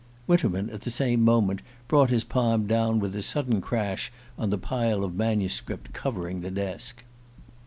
Winterman, at the same moment, brought his palm down with a sudden crash on the pile of manuscript covering the desk.